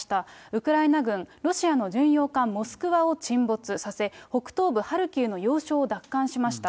ウクライナ軍、ロシアの巡洋艦モスクワを沈没させ、北東部ハルキウの要衝を奪還しました。